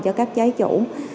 cho các trái chủ